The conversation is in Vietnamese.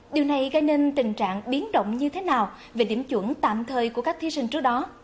điều này gây nên tình trạng biến động như thế nào về điểm chuẩn tạm thời của các thí sinh trước đó